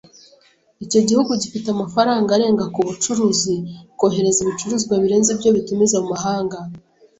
Icyo gihugu gifite amafaranga arenga ku bucuruzi. Kohereza ibicuruzwa birenze ibyo bitumiza mu mahanga.